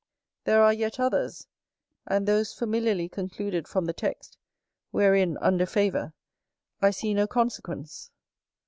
There are yet others, and those familiarly concluded from the text, wherein (under favour) I see no consequence.